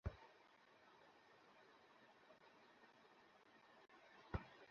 শনিবার রাতে টেকনাফ থেকে ইয়াবার চালান সংগ্রহ করে তারা ঢাকায় ফিরছিল।